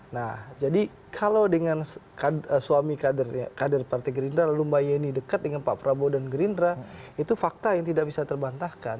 nah jadi kalau dengan suami kader partai gerindra lalu mbak yeni dekat dengan pak prabowo dan gerindra itu fakta yang tidak bisa terbantahkan